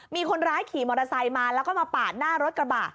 มีคนร้ายขี่มอเตอร์ไซค์มาแล้วก็มาปาดหน้ารถกระบะ